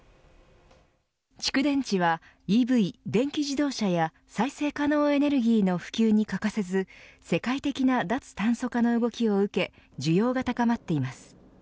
蓄電池はＥＶ電気自動車や再生可能エネルギーの普及に欠かせず世界的な脱炭素化の動きを受け需要が高まっています。